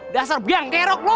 dasar biang gerok lu